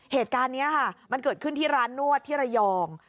เหตุการณ์นี้ค่ะมันเกิดขึ้นที่ร้านนวดที่ระยอง